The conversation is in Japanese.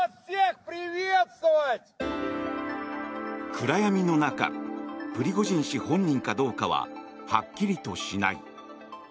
暗闇の中プリゴジン氏本人かどうかははっきりとしない。